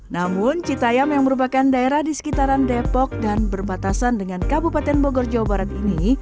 namun citayam yang merupakan daerah di sekitaran depok dan berbatasan dengan kabupaten bogor jawa barat ini